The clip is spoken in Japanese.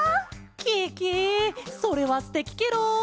ケケそれはすてきケロ！